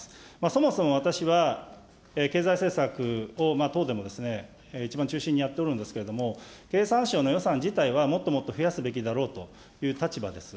そもそも私は、経済政策を党でも一番中心にやっておるんですけれども、経産省の予算自体は、もっともっと増やすべきだろうという立場です。